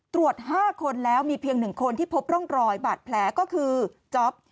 ตรวจ๕คนแล้วมีเพียงหนึ่งคนที่พบต้องรอยบัตรแพลก็คือจ๊อป